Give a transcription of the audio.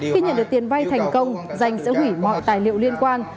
khi nhận được tiền vay thành công danh sẽ hủy mọi tài liệu liên quan